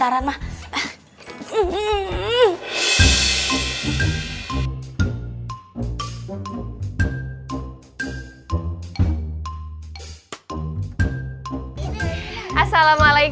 afya dia minta sekali